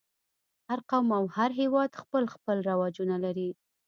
هر قوم او هر هېواد خپل خپل رواجونه لري.